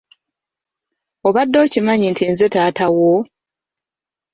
Obadde okimanyi nti nze taata wo?